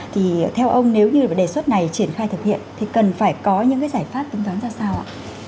thì theo ông nếu như đề xuất này triển khai thực hiện thì cần phải có những cái giải pháp tính toán ra sao ạ